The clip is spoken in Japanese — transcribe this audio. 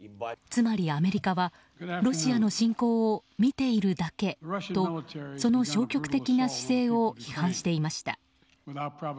つまりアメリカはロシアの侵攻を見ているだけとその消極的な姿勢を批判していました。